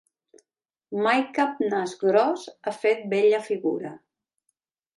Mai cap nas gros ha fet bella figura.